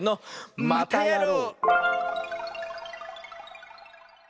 またやろう！